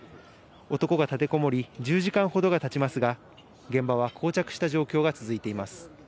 男が立てこもり、１０時間ほどがたちますが、現場はこう着した状況が続いています。